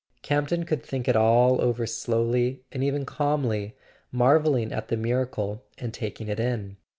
Campton could think it all over slowly and even calmly, marvelling at the miracle and taking it in.